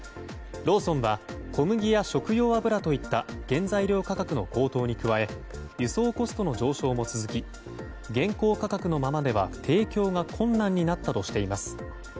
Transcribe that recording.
ローソンは小麦や食用油といった原材料価格の高騰に加え輸送コストの上昇も続き現行価格のままでは提供が困難になったとしています。